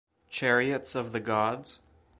Chariots of the Gods?